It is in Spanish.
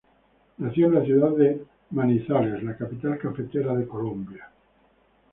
Nació en la ciudad de Manizales, la capital cafetera de Colombia.